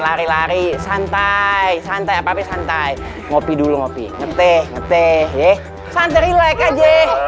lari lari santai santai apa api santai ngopi dulu ngopi ngeteh ngeteh ya santai like aja